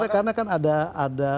karena kan ada